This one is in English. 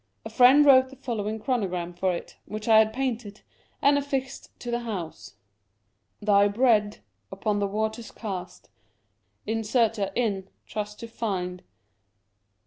A friend wrote the following chronogram for it, which I had painted, and affixed to the house : Thy breaD upon the Waters Cast In Certain trust to find.